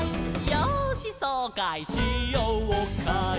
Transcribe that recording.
「よーしそうかいしようかい」